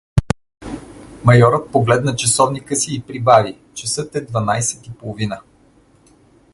Майорът погледна часовника си и прибави: — Часът е дванайсет и половина.